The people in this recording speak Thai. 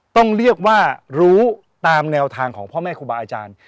ต้องเรียกว่ารู้ตามแนวทางของพ่อแม่ครูบาอาจารย์